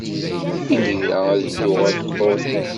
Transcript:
Imir-a, ad dduɣ ad d-qḍuɣ.